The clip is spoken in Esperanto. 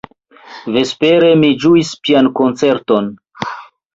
Vespere mi ĝuis piankoncerton.